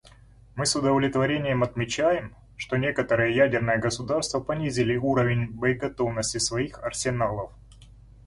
Мы с удовлетворением отмечаем, что некоторые ядерные государства понизили уровень боеготовности своих арсеналов.